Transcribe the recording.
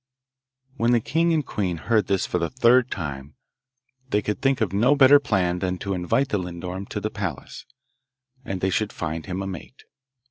When the king and queen heard this for the third time they could think of no better plan than to invite the lindorm to the palace, and they should find him a mate.